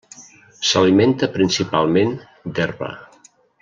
S'alimenta principalment d'herba.